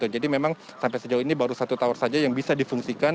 jadi memang sampai sejauh ini baru satu tower saja yang bisa difungsikan